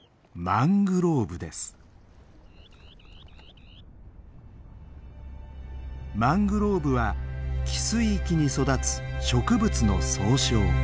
マングローブは汽水域に育つ植物の総称。